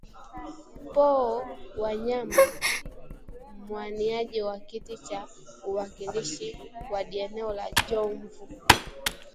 Paul Wanyama mwaniaji wa kiti cha uwakilishi wadi eneo la Jomvu